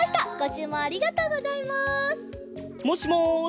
もしもし？